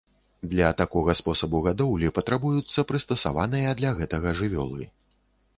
Для такога спосабу гадоўлі патрабуюцца прыстасаваныя для гэтага жывёлы.